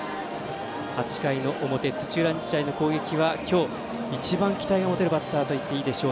８回の表土浦日大の攻撃は今日、一番期待を持てるバッターと言っていいでしょう。